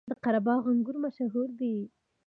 د قره باغ انګور مشهور دي